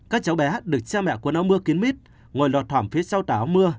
các cháu bé được cha mẹ quần áo mưa kiến mít ngồi lọt thoảm phía sau tà áo mưa